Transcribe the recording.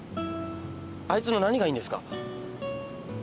あいつの何がいいんですか？